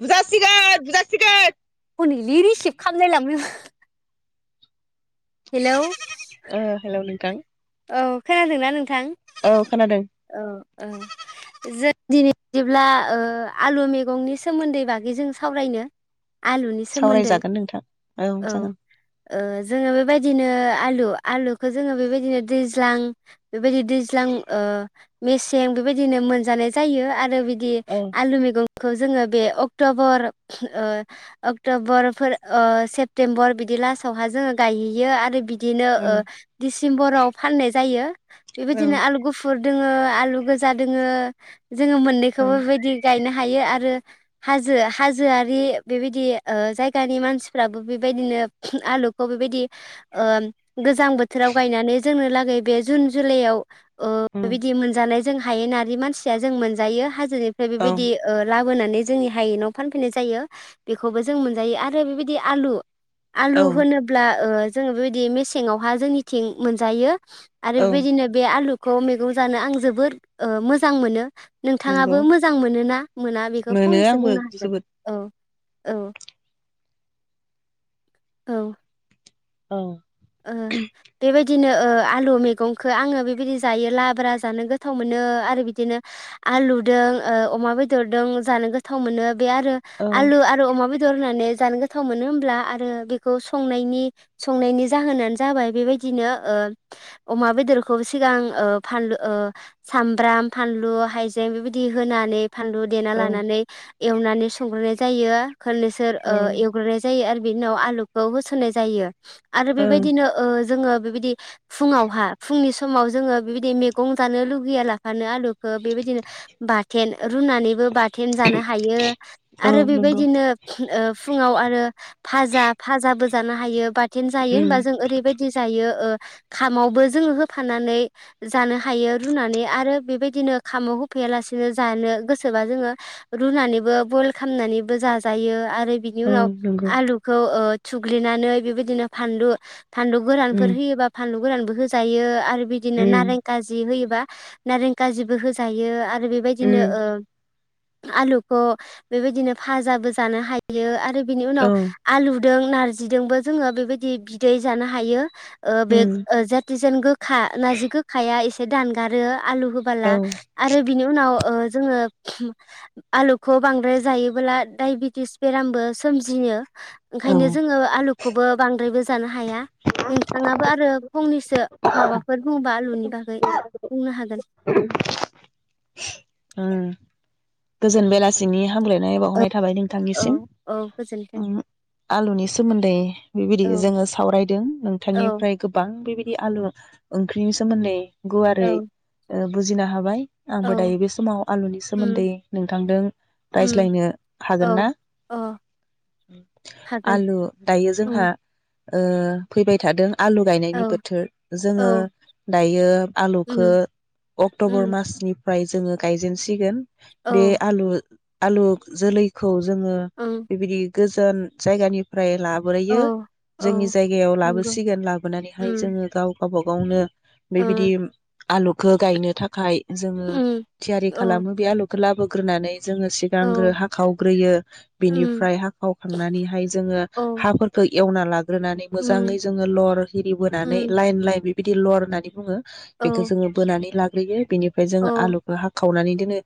बुजासिगोन बुजासिगोन हनलि receive खालामलाय लांजोबो हेल' नोंथां औ खोनादों नों थां औ खोनादों औ औ जों दिनै जदिब्ला आलु मैगंनि सोमोन्दै बागै जों सावरायनो आलुनि सोमोन्दै सावरायजागोन नोंथां औ जागोन जोङो बेबायदिनो आलु आु आलुखौ जोङो बेबायदिनो दैज्लां बेबायदि दैज्लां मेसें बेबायदिनो मोनजानाय जायो आरो बि औ आु मै ज बे अक्टबर अक्ट'बरफोर सेप्तेम्बर बिदि लास्टावहा जोङो गायहैयो आरो बि बिदिनो औ सिम्बर'फ फाननाय जायो औ बेबायदिनो आलु गुफुर दङो आलु गोजा दोङ जोङो औ मोननैखौबो बेबायदि गायनो हायो ह हाजआ बेबायदि जाय मानसिफ्राबो बेबायदिनो आलुखौ बेबायदि गोजां बोथोराव गनानै जोंनोै बे जुन जुलाइ उम बिदि मोनानाय जों हायो मानसिया जों मोन औ बेबायदि बोनानै जोंनि हायेनेनाव फानफैनाय जायो बेखौबो जों मोनजायो आरो बेबायदि आलु आलु औ होनोब्ला ओ जोङो बेबायदि मेसेंङावहा जोंनिथिं जायो आरो औ बेदिनो बे आलु खौ मैगं जानो आं जोबोद मोजां ओ मोनो नंगौ नोंथाङाबो मोजां मोन ना मोना बेखौ मोनो फंनैसो आंबो बुंनो हागोन जोबोद औ औ औ औ आ दब बिदिनो आलु मैगंखौ आङो बेबायदि जायो ला ब्रा जानो गोथाव मोनो आरो बिदिनो आलुदों अमा बेदरदों जानो गोथाव मोनो बे आरो औ आलु आरो अमा बे नानै ज गोथाव मोनो ह आरो बे जाहोनानो जाबाय बेबायदिनो ओ अमा बेदरखौ ओ सिगां ओ फानलु सामब्राम फानलु हाइजें बेबायदि होनानै फानलु देना औ लानानै एवनानै संग्रोनाय जायो। खलनोसोर औ एवग्रोनाय जायो आरो बिनि उाव आलुखौ होसनाय जायो। आरो औ बेबायदिनो ओ जोङो बेबायदि फुङावहा फुंनि समाव जोङो बेबायदि मैगं जानो लुगैया लाफानो आलु बेबायदिनो बाथोन रुनानैबो बाथोन जानो हायो औ आरो नंगौ बेबायदिनो ओ फुङाव आरो फाजा फाजाबो जानो हायो बा दिनो जायो उम होनबा जों ओरैबायदि जायो ओ। खामावबो जोङो होफानानै जानो हायो रुनानै आरो बेबायदिनो खामाव होफैयालासिनो जानो गोसोबा जोङो रुनानैबो बयल खालामनानैबो जाजायो आरो आरो बिनि औ उनाव नंगौ आलुखौ ओ थुग्लिनानै बेबायदिनो फानलु फानलु गोरानफोर उम होयोबा फानलु गोरानबो होजायो आरो बिदिनो उम नारें काजि होयोबा नारें काजिबो होजायो आरो बेबायदिनो उम ओ आलुखौ बेबायदिनो फाजाबो जानो हायो आरो बिनि औ उनाव आलु नारजिदोंबो जोङो बेबायदि बिदि बिदै जानो हायो ओ बे उम जाथिजेन गोखा नारजि गोखाया एसे एसे दानगारो आलु औ होबोला आरो बिनि उनाव जोङो आलुखौ बांद्राय जायोबोब्ला डाइबेटिस बेरामबो सोमजियो औ ओंखायनो जोङो आलुखौबो बांद्रायबो जानो हाया नोंथाङाबो आरो फंनैसो माबाफोर बुंबा आलुनि बागै बुंनो हागोन ओ गोजोन बेलासिनि हामलायनाय औ बावहरनाय थाबाय नोंथांनिसिम औ गोजोन्थों आलुनि सोमोन्दै बेबायदि औ जोङो सावरायदों औ नोंथांनिफ्राय गोबां बेबायदि बे आलु ओंख्रिनि सोमोन्दै औ गुवारै बुजिनो हाबाय औ आंबो दायो बे समाव आलुनि उम सोमोन्दै नोंथांजों उम रायज्लायनो औ हागोन ना अ हागोन आलु दायो जोंहा उम ओ फैबाय थादों आलु औ गायनायनि बोथोर औ जोङो दायो आलुखौ उम अक्ट'बर उम मासनिफ्राय जोङो गायजेनसिगोन औ बे आलु आलु जोलैखौ जोङो ओं बेबायदि गोजोन जायगानि फ्राय औ लाबोयो औ जोंनि जायगायाव नंगौ लाबोसिगोन लाबोनानैहाय उम जोङो गाव गावबा गावनो ओ बेबायदि आलुखौ गायनो थाखाय जोङो उम थियारि औ खालामो बे आलु लाबोग्रोनानै जोङो सिगांग्रो औ हाखावग्रोयो उम बिनिफ्राय हाखावखांनानैहाय जोङो औ हाफोरखौ एवना लाग ग्रोनानै मोजाङै उम जोङो लर हिरि बोनानै उम लाइन लाइन बिदि लर होननानै बुङो औ बेखौ जोङो बोनानै ला बि बिनिफ्राय जोङो औ आलुखौ हाख खावनानै दनो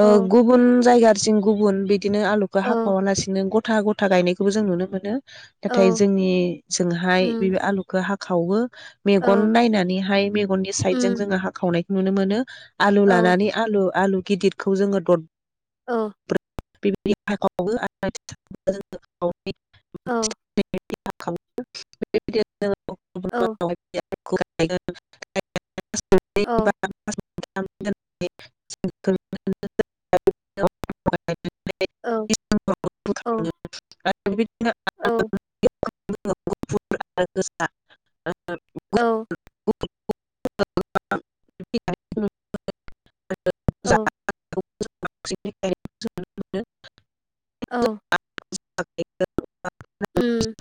ओ औ गुबुन जायगा जों गुबुन बि बिदिनो आलुखौ औ हाखावालासिनो गथ गथा गथा गायनायखौबो जों नुनो मोनो। नाथाय औ जोंनि जोंहाय बे उम आलुखौ हाब खावो मेगन औ नायनानैहाय मेगननि साइद जों उम जोङो हाखावनाय नुनो मोनो आलु औ लानानै आलु आलु गिदिर खौ जोङो द औ [unintelligible] औ [unintelligible] [unintelligible] औ [unintelligible] [unintelligible] [unintelligible] [unintelligible] [unintelligible] औ औ [unintelligible] [unintelligible] औ [unintelligible] [unintelligible] [unintelligible] औ [unintelligible] औ [unintelligible] उम